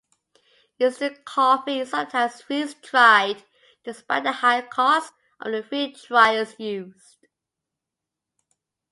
Instant coffee is sometimes freeze-dried, despite the high costs of the freeze-driers used.